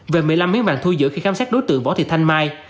về một mươi năm miếng vàng thu giữ khi khám sát đối tượng võ thị thanh mai